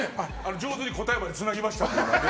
上手に答えまでつなぎましたね。